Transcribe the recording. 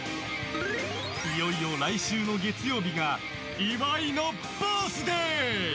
いよいよ来週の月曜日が岩井のバースデー。